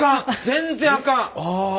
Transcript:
全然あかん！